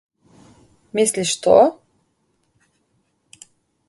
Misliš to?